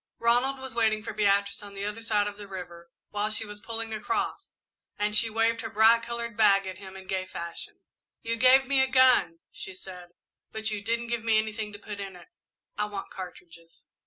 Ronald was waiting for Beatrice on the other side of the river while she was pulling across, and she waved her bright coloured bag at him in gay fashion. "You gave me a gun," she said, "but you didn't give me anything to put in it. I want cartridges."